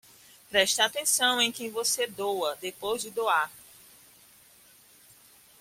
Preste atenção em quem você doa depois de doar